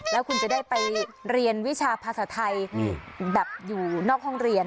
แล้วคุณจะได้ไปเรียนวิชาภาษาไทยแบบอยู่นอกห้องเรียน